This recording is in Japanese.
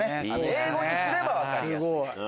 英語にすれば分かりやすい。